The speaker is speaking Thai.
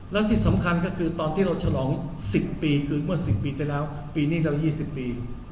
แล้วที่สำคัญก็คือตอนที่เราฉลองสิบปีคือเมื่อสิบปีได้แล้วปีนี้เรายี่สิบปี